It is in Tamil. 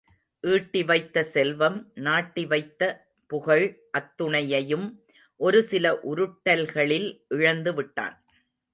ஈட்டி வைத்த செல்வம், நாட்டி வைத்த புகழ் அத்துணையையும் ஒரு சில உருட்டல்களில் இழந்து விட்டான்.